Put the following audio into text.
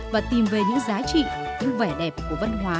và tìm về những giá trị những vẻ đẹp của văn hóa